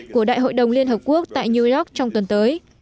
của đại hội đồng liên hợp quốc tại new york trong tuần tới